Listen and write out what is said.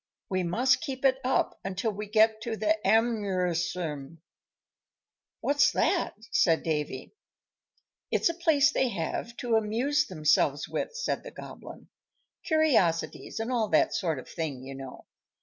"We must keep it up until we get to the Amuserum." "What's that?" said Davy. "It's a place they have to amuse themselves with," said the Goblin, "curiosities, and all that sort of thing, you know.